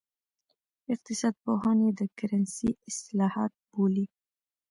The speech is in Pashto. اقتصاد پوهان یې د کرنسۍ اصلاحات بولي.